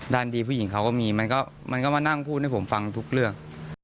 ดีผู้หญิงเขาก็มีมันก็มานั่งพูดให้ผมฟังทุกเรื่อง